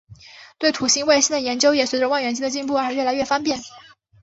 对土星卫星的研究也随着望远镜的进步而越来越方便。